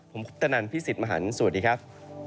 ผมคุปตนันพี่สิทธิ์มหันฯสวัสดีครับ